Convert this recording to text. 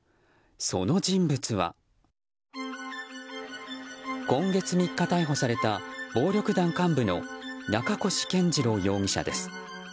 その人物は今月３日、逮捕された暴力団幹部の中越健二郎容疑者です。